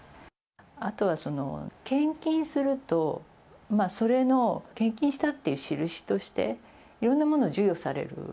あとは献金すると、それの献金したっていう印として、いろんなもの、授与される。